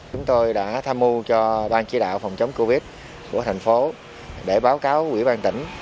chúng tôi đã tham mưu cho ban chỉ đạo phòng chống covid của thành phố để báo cáo quỹ ban tỉnh